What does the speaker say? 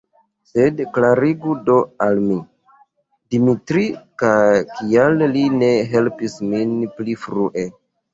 Sed klarigu do al mi, Dimitri, kial li ne helpis min pli frue.